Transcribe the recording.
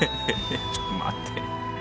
ちょっと待って。